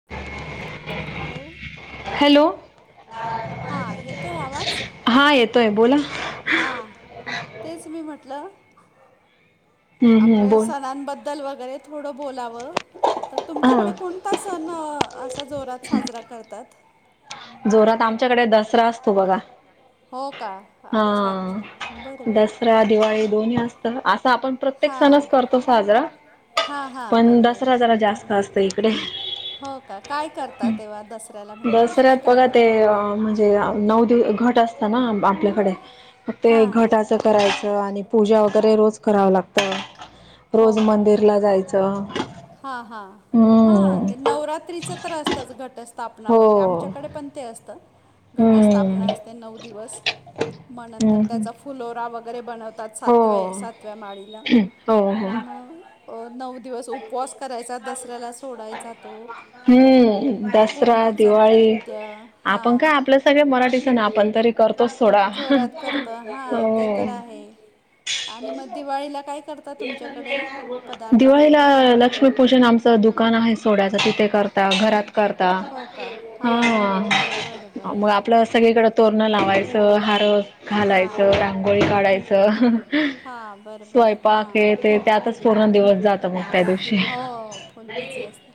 [inaudible] Hello! Hello,,, हां येतोय आवाज हा येतोय बोला. हां,, तेच मी म्हटलं हम्म, हम्म, आपलं बोल सणांबद्दल वगैरे थोडं बोलावं,, तर हा तुमच्याकडे कोणता सण ण असा जोरात साजरा करतात? जोरात आमच्या कडे दसरा असतो बघा. हो का हा, अच्छा अच्छा बरं बरं दसरा दिवाळी दोन्ही असतं ना, आ आपण प्रत्येक हां सणच करतो साजरा हां हां पण बरोबर दसरा जरा हां जास्त असतो इकडे. हो का, काय करतात तेव्हा, दसऱ्याला म्हणजे विशेष काय करतात? अ म्हणजे आम् नऊ दिव घट असतं ना आंब आपल्याकडे,, म ते हां घटस् ते करायचं आणि पूजा वगैरे रोज करावं लागतं,, रोज मंदिरला जाय- चं. हा हां, हां ते नवरात्रीचं तर असतचं घटस स्थापना हो वगैरे,, आमच्याकडे पण ते असतं. घटस्थापना हम्म असते नऊ दिवस,, म नंतर हम्म, हम्म. त्याचा फुलोरा वगैरे बनत तात सातवे हो सातव्या माळीला,, हो हो म अं नऊ दिवस तो उपवास करायचा दसऱ्याला सोडायचा तो, हम्म दसरा पूर्णाचा दिवाळी नैवेद्य हा, आपण का, आपले सगळे मराठी सण आपण करीतो, जोरात करतो, हा, ते हो तर आहे. आणि मग दिवाळीला काय कर? [unintelligible] दिवाळीला? लक्ष्मीपूजन, आमचं दुकान आहे, सोड्याच, तिथे करता, घरात करता. हो करता. का हां हां हं बरं बरं मग आपलं सगळीकडं तोरणं लावायचं हारं हां घालायचं, रांगोळी काढायचं, हां बरं बरं स्वयं पाक हे हां ते त्यातच पूर्ण दिवस जात मग त्या दिवशी हो, फुल बीजी असता.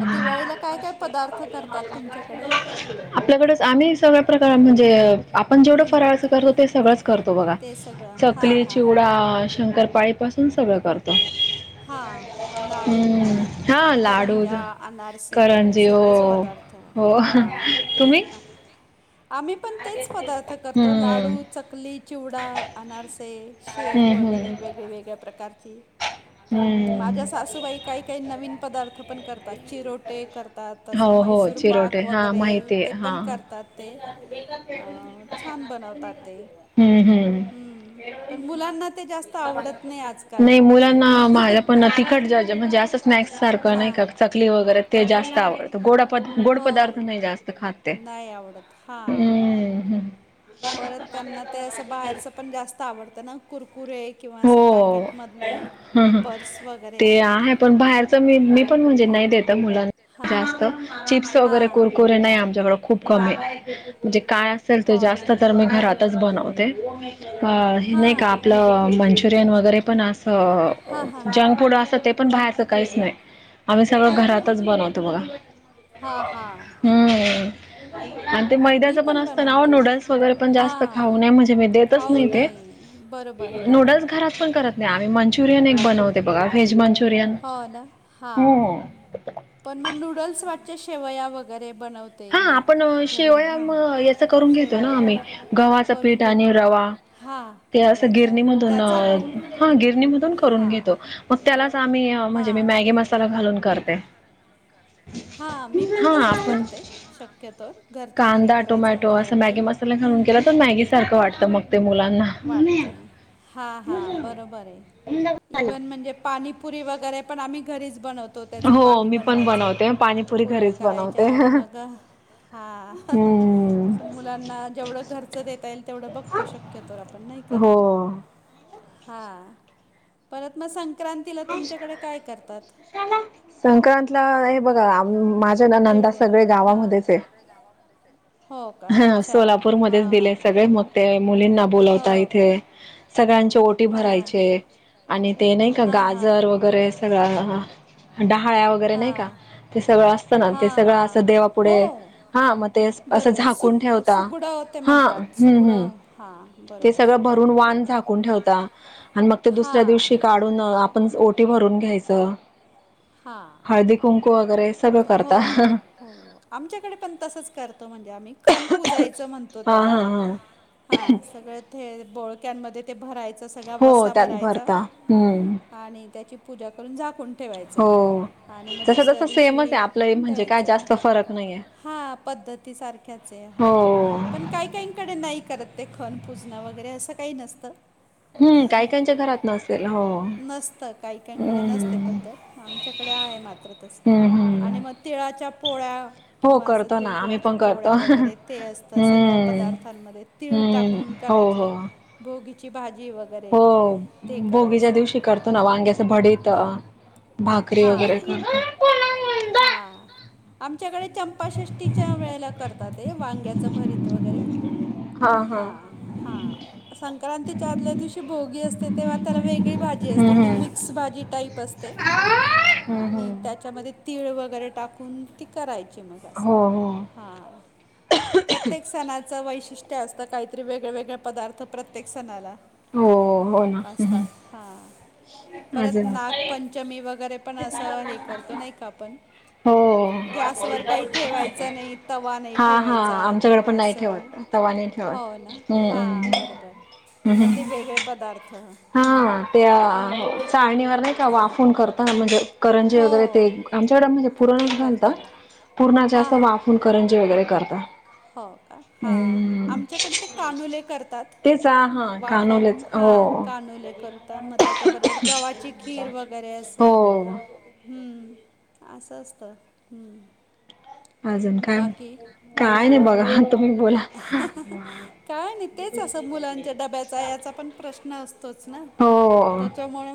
अं दिवाळीला काय काय पदार्थ करतात तुमच्याकडे? आपल्याकडेच, आम्ही सगळे प्रकार म्हणजे, आपण जेवढं फराळाचं करतो, ते सगळंच करतो, बघा. ते सगळं हां चकली, हां चिवडा, शंकरपाळी पासून सगळं करतो. हा, लाडू हम्म, हा लाडू करंजा, ज- अनारसे वगैरे करंजी हो सगळेच पदार्थ हो हा तुम्ही आम्ही पण तेच पदार्थ करतो. हम्म, लाडू, चकली, चिवडा, अनारसे शेव हम्म, वगैरे हम्म, वेगवेगळ्या प्रकारची परत, माझ्या हम्म. सासूबाई, काई काई नवीन पदार्थ पण करतात, चिरोटे करत तात, हो हो मैसूर चिरोटे पाक हा वगैरे, माहिती ते आहे हा पण करतात ते. अ छान बनवतात ते हम्म, हम्म. हं, पण मुलांना ते जास्त आवडत नाही आजकाल. ना, माझ्या पण, तिखट ज्या ज्या म्हणजे, असच स्नॅक्स सारखं, नाय हां का, चकली वगैरे, ते जास्त त, आवडतं, गोड पद्, गोड पदार्थ नाही जास्त खात ते. हा हम्म परत, त्यांना ते असं बाहेरच पण जास्त आवडतं, ना, कुरकुरे. किंवा हो, असं पॅकेटमधले हं हं, वेपर्स वगैरे ते आहे, पण बाहेरच, मी, मी पण म्हणजे, नाही देत. ते मुलांना हां जास्त चिप्स वगैरे हां कुर कुरे नाही, आमच्याकडं खूप कमी, म्हणजे काय असेल ते, हो ना जास्त तर मी घरात तच बनवते, हे नाही का हां आपलं. मंचुरियन वगैरे पण, हां हां असं जंक फूड असं, ते पण बाहेरचं काहीच नाही. आम्ही सगळं हो ना मी घरातच सगळं बनवतो, बघा, हां हां हं. आणि ते मी मैद्याचं पण असतं ना, ओ बनवते नूडल्स वगैरे पण जास्त हां खाऊ नये, म्हणजे मी देतच खाऊ नाही ते नये बरोबर हा. नूडल्स घरात पण करत नाही आम्ही, मंचुरियन एक बनवते, बघा, व्हेज मंचू रीयन हो ना हा हुं पण मग, नूडल्स वाटचे, शेवया वगैरे बनव हा, आपण अं... शेवया मं... याचं करून घेतो ना, शेवया आम्ही गव्हाचं करून पीठ आणि घेतो रवा. हां ते असं रव्याचा त्या गिरणीमधून, चांगल्या अं... पडतात. हा, गिरणीमधून करून हां घेतो. मग त्यालाच आम्ही, म्हणजे मी हां मॅगी मसाला घालून करते. हा, मी पण हा तसंच आपण करते, शक्यतो. घरच्या घरी कांदा करायचं टोमॅटो असं म्हटल्यावरती, मॅगी मसाला हं, घालून मॅगी केला तर सारखं वाटतं मग ते मुलांना सारखं वाटतं... हा हा, बरोबर आहे, इव्हन म्हणजे पाणीपुरी पण आम्ही घरीच बनवतो. तो, त्याचं हो पाणी मी पण बनवायचं. बनवते हो, पाणीपुरी पुऱ्या घरीच करायच्या बनवते आणि मग हा. हम्म मुलांना जेवढं घरचं देता येईल तेवढं बघतो शक्यतो आपण नाही का? हो हा परत मग संक्रांतीला तुमच्याकडे काय करतात? संक्रांतला हे बघा माझ्या ननंदा सगळे गावामध्येच आहेत. गावामध्ये हा सोलापूरमध्येच हां दिले सगळे मग ते मुलींना, बोलावता हो का इथे सगळ्यांचे ओ. ओटी हां भरायचे आणि ते नाही का हां आणि हां गाजर वगैरे, सगळं डहाळ वं वगैरे, नाही का हां सगळं असत ना ते हां सर्व सगळं हां असं असतं ना देवा ते हो पुुढे सगळं असं हा मग ते असं बरोबर झा सुक असं ठेवता सुगडं झाकून ते ठेवता ह म्हणतात हा ह् ह् सुगडं हां ते बरोबर सगळं सुगडं भरून ते बरोबर वाण सगळं झाकून ठेवता. आणि मग ते दुसऱ्या हां दिवशी काढून आपण. भरून घ्यायचं आणि हां हळदी कुंकू वगैरे, सगळं हो करता. हो आमच्याकडे पण तसंच करतो म्हणजे, आम्ही खन पूजायचं म्हणतो हा त्याला. हा हा हा सगळं ते बोळक्यांमध्ये ते भरायचं सगळा हो वसा त्यात भरायचा. भरता हम्म आणि त्याची पूजा करून झाकूनं ठेवायची. हो तसं सेमचं आहे. आपलं म्हणजे काय जास्तं फरक नाहीे हे. हा पद्धतीसारख्याच आहे हा पण काही काहीकडे नाही करत ते खण पूजना वगैरे, असं काही नसतं. हम्म काही काहीच्या घरात नसेल हो नसतं काही - काही कडे नसते हम्म पद्धत. आमच्याकडे आहे मात्र तसं हम्म आणि हम्म मग तिळाच्या पोळ्या हो किंवा, असं करतो ना आम्ही तेळगुळाच्या पण करतो पोळ्या हम्म वगैरे, ते असतं सगळ्या पदार्थांमध्ये. तीळ हम्म टाकून हो करायची, हो भोगीची भाजी वर हो भोगीच्या, दिवशी करता. ना वांग्या भडीत भाकरी वगैरे, हा, आमच्याकडे चंपाषष्टीच्या वेळेला करतात. ते वांग्याचं भरत वगैरे, हा हा. हा संक्रांतीच्या, आदल्या दिवशी भोगी त्याला वेगळी भाजी असते ती मिक हम्म मिक्स भाजी टाईप असते हम्म आणि हम्म त्याच्यामध्ये तीळ वगैरे, टाकून ती करायची मग असं हो हो हा. प्रत्येक सणाचं वैशिष्ट्य, असतं काहीतरी वेगवेगळे पदार्थ प्रत्येक सणाला. हो हो ना परत अजून नाग पचं पाचमी वगैरे, पण असं हे करतो नाही का आपण हो गॅसवर काही ठेवायच नाही तवा नाही हा हा ठेवायचा आमच्याकडे किंवा पण नाही असं ठेवत तवा नाही हो ना ठेवत हा हम्म बरोबर, मग ते हम्म वेगळे पदार्थ. हा त्या चाळणीवर नाही त्या हा, वाफून करत म्हणजे करंजी वगैरे हो ते आमच्याकडं म्हणजे, पुरण ते घालता करतात पूरणा चे हां असं हां वाफून करंजी वगैरे, करत. हो का हा आमच्याकडे ते कानुले, करतात. तेच हा वापवून कानोलेच हा हो कानोले करता मग त्याच्याबरोबर गव्हाची खीर वगैरे, असं हो ह असं असतं हं अजून काय बाकी - काय नाही हां बघा तुम्ही बोला? काय नाही तेचं असं मुलांच्या डब्याचा याचा पण प्रश्न असतो तोचं ना हो त्याच्यामुळे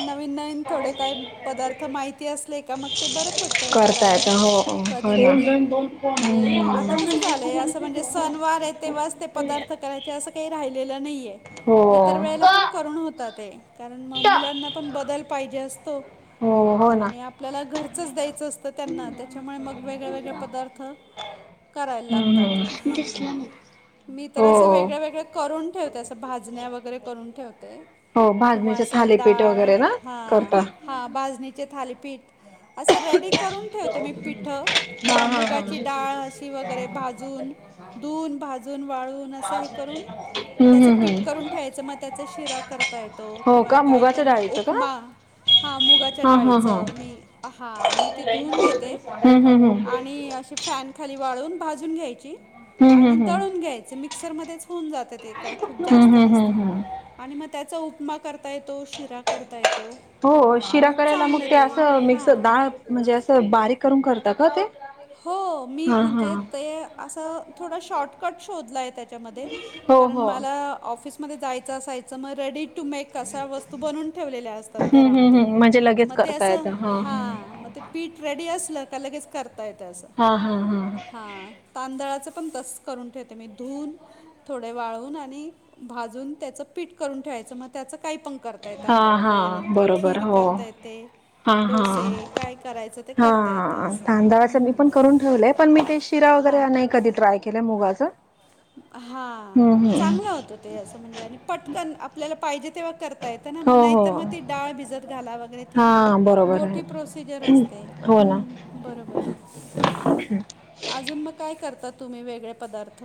नवीन - नवीन थोडे काही पदार्थ माहितं ते असले का मग ते बरं पडतं करता करायला येत हो कधी हो मधी म्हणजे, आता कसं ना झालंय असं म्हणजे सणवार आहे तेव्हाचं ते पदार्थ करायचे असं काही राहिलेलं नाहीये. हो इतर वेळेला पण करून होता ते कारण मुलांना पण बदल पाहिजे, असतो हो हो ना आणि आपल्याला घरचं द्यायचं असतं त्यांना त्याच्यामुळे मग वेगवेेगळे पदार्थ करायला हम्म लागतात. हम्म मी तर हो असे वेगळ- वेगळ करून ठेवते असं भाजण्या वगैरे, करून ठेवते. हो किंवा भाजणीचे असं थालीपीठ डाळ, वगैरे ना हा करता हा भाजणीचे थालीपीठ. असं रेडी करून ठेवते मी पिठ हा किंवा हा हा मुगाची डाळ वगैरे भाजून. धुवून, भाजून, वाळून असं हे करून हम्म त्याचं हम्म पीठ हम्म करून ठेवायचं. मग त्याचा शिरा करता येतो, हो किंवा का काही मुगाच्या पण डाळीचं का उपमा हा मुगाच्या हा हा डाळीच. हा मी अ हा. मी ते धुऊून घेते हम्म हम्म हम्म आणि असे फॅन खाली वाळून भाजून घ्यायची हम्म आणि हम्म हम्म दळून घ्यायचे. मिक्सरमध्येच होऊन जातं ते. काही खूप हम्म जास्त हम्म हम्म नसतं. हम्म आणि म त्याचा उपमा करता येतो, शिरा करता येतो. हो शिरा आणि करायला मग चांगलं ते असं मिक्स हां डाळ, म्हणजे असं बारीक करून करत का ते? हो. मी हा हा म्हणजे ते असं थोडं शॉर्टकट शोधला आहे त्याच्यामध्ये. हो कारण हो मला ऑफिसमध्ये जायचं असायचं, मग रेडी टू मेक अशा वस्तू बनून ठेवलेल्या असतात हम्म हम्म घरामध्ये. हम्म म्हणजे लगेच म ते करता असं, येतं हा म ते पीठ रेडी असलं का लगेच करता येत अस. हा हा हं. तांदळाचं पण तस करून ठेवतेे मी. धुवून थोडे वाळून आणि भाजून त्याचं पीठ करून ठेवायचं. मग त्याचं काही पण करता येतं. ता येत हा आपल्याला हा वेळेवरती. बरोबर खीर हो करता येते. हा हा डोसे काय करायचं ते करता येतं असं. असं मी हं. पण करून ठेवलंय. पण मी ते शिरा वगैर हां नाही कधी ट्राय केल मुगाचा. हा चांगला होतो ते. असं म्हणजे आणि पटकन आपल्याला पाहिजे तेव्हा कर ता येत ना. हो नाही हो तर मग ती डाळ भिजत घाला वगैरे ती हा बरोबर आहे मोठी प्रोसिजर असते. हो ना हं. बरोबर! हां, अजून मग काय करता तुम्ही वेगळे पदार्थ?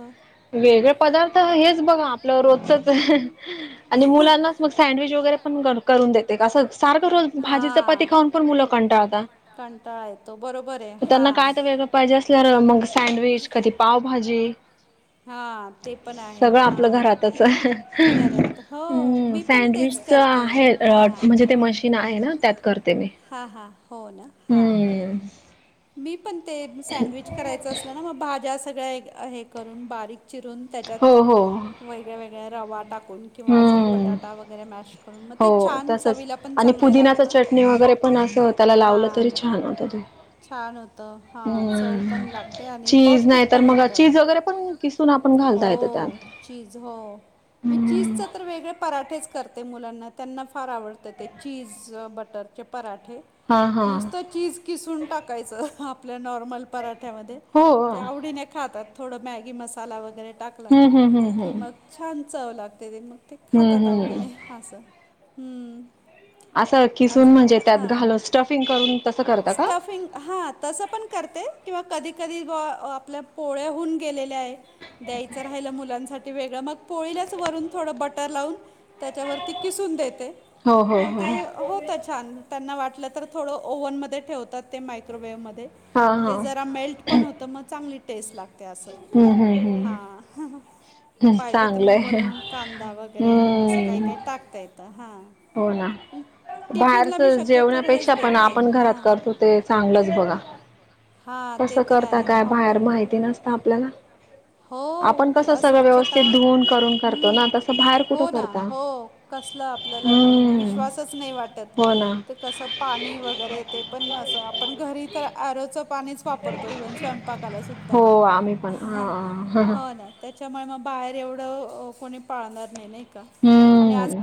वेगळे पदार्थ हेच बघा आपलं रोजचच. आणि मुलांनाच मग सॅडविच वगैरे पण करतो. करून देते. असं सारखं रोज भाजी चपाती खाऊन पण मुलं कंटाळता. कंटाळा येतो. बरोबर आहे. म त्यांना काय तर वेगळं पाहिजे असल्यावर मग सँडविच कधी पावभाजी. हा. ते पण आहे. सगळं आपलं हां. घरातच करत, हो मी पण तेच करते. हा रॉड म्हणजे ते मशीन आहे ना त्यात. करते मी. हां हां हो ना हां हं. मी पण ते सँडविच करायचं असलं ना म भाज्या सगळ्या एक हे करून, बारीक चिरून हो त्याच्यात हो वेगळ्या वेगळ्या रवा टाकून. किंवा अजून हम्म बटाटा वगैरे मॅश करून. मग हो ते छान तसच चवीला पण आणि चांगले पुदिनाचा लागतं. चटणी वगैरे पण असं त्याला लावलं हां तरी छान होतं ते. छान होतं. छान होतं हां चव पण हं. लागते आणि चीज नाही पौष्टिक तर पण मग होतं चीज वगैरे पण किस सून आपण हो सोबत करता घालता येत त्यात. येते ना. चीज, हो. मी चीजच हम्म तर वेगळे पराठेच करते मुलांना. त्यांना फार आवडतं ते चीज बटरचे प पराठे. हा हा नुसतं चीज किसून टाकायचं आपल्या नॉर्मल पराठ्या मध्ये. हो ते आवडीने खातात. थोड मॅगी मसाला वगैरे टाकला हम्म हम्म हम्म की हम्म मग छान चव लागते ते. मग ते हम्म खातात हम्म आवडीने असं. हं. असं आज किसून म्हणजे हा, त्यात घालून स्टफिंग करून तसं करता का? स्टफिंग हां तसं पणं करते किंवा कधीं कधीं आपल्यां पोळ्यां हुंन गेलेल्यां आहेतं. दायचं राहिलं मुलांसाठी वेगळं मगं पोळीलां चं वरूंन थोडं बटंर लावूंन त्यांच्यावरती किसूंन देते. हो ते होतं छांन त्यांना वाटलं तरं थोडं ओव्हनमध्यें ठेवतांत ते माहिको- ओहन मध्यें हा हा ते जरां मेल्टं पणं होतं मंग चांगली टेस्टं लागते असं हम्म हम्म हम्म हां हं हं मंग हम्म पाहिजे तरं चांगलंय मंग वरूंन कांदा वगैरें असं कायं हम्म कायं टाकतां येतं हां. हो नां टिफिनला मी बाहेरचं शक्यतोवर हेच हेल्दी जेवण्यांपेक्षा पणं देते आपणं असल्यापेक्षा पण घरांत हां आपण करतो ते. ते चांगलंच बघां हां ते कसं तर करतां आहे हो बाहेर माहिती नसतं आपल्यांला हो आपणं की कसं सगळं अस्वच्छता व्यवस्थित धुवूंन करूंन करतो हम्म नां तसं बाहेर कुठं करतां. कसंला आपल्यांला नाहीं विश्वासाचं नाहीं वाटतं हो ना ते कसं पाणी वगैरे ते पणं नसतं आपणं घरी तरं आरोचं पाणी, वापरतो इव्हंन स्वयंपाकांला सुद्धां. हो आम्ही पण हा त्यांमुळे बाहेर एवढं कोणी पाळणांर नाहीं कां हम्म